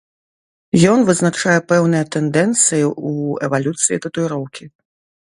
Ён вызначае пэўныя тэндэнцыі ў эвалюцыі татуіроўкі.